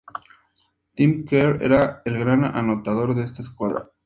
Tim Kerr era el gran anotador de esta escuadra.